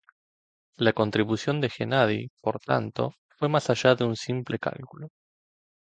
La contribución de Gennadi, por tanto, fue más allá de un simple cálculo.